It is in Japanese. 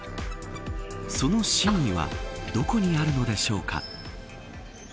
その真意はどこにあるんでしょうか。